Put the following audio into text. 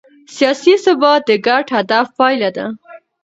سیاسي ثبات د ګډ هدف پایله ده